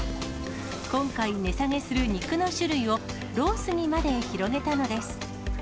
今回、値下げする肉の種類をロースにまで広げたのです。